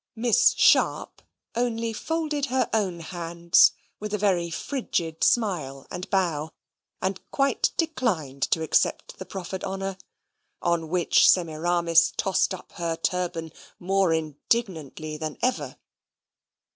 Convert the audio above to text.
Miss Sharp only folded her own hands with a very frigid smile and bow, and quite declined to accept the proffered honour; on which Semiramis tossed up her turban more indignantly than ever.